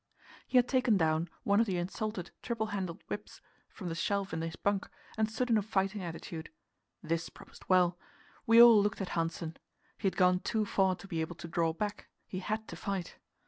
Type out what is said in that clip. He had taken down one of the insulted triple handled whips from the shelf in his bunk, and stood in a fighting attitude. This promised well. We all looked at Hanssen. He had gone too far to be able to draw back; he had to fight.